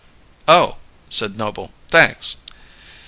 "Oh!" said Noble. "Thanks!"